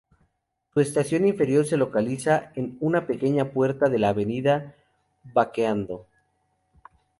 Su estación inferior se localiza en una pequeña puerta de la avenida Baquedano.